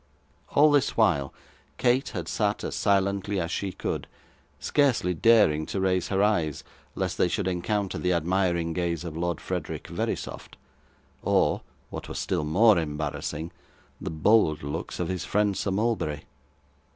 All this while, Kate had sat as silently as she could, scarcely daring to raise her eyes, lest they should encounter the admiring gaze of Lord Frederick Verisopht, or, what was still more embarrassing, the bold looks of his friend Sir Mulberry.